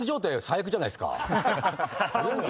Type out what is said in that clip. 最悪じゃないっすか。